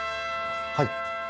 はい。